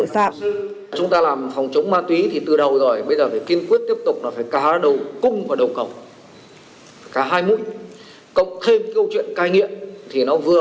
văn phòng trung ương đảng văn phòng chính phủ